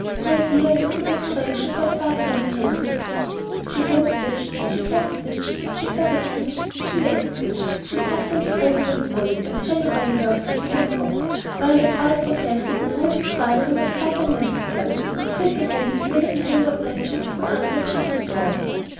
Her ideas as to decoration soared far beyond Katy's. She hem stitched, she cat stitched, she feather stitched, she lace stitched, she tucked and frilled and embroidered, and generally worked her fingers off; while the bride vainly protested that all this finery was quite unnecessary, and that simple hems and a little Hamburg edging would answer just as well.